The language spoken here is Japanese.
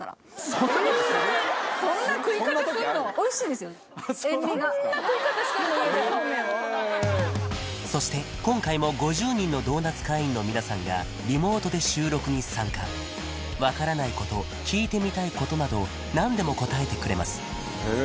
家でそして今回も５０人のドーナツ会員の皆さんがリモートで収録に参加分からないこと聞いてみたいことなど何でも答えてくれますへえ・